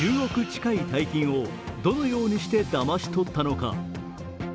近い大金をどのようにしてだまし取ったのか。